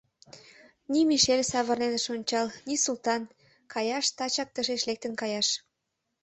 Ни Мишель савырнен ыш ончал, ни Султан«Каяш, тачак тышеч лектын каяш.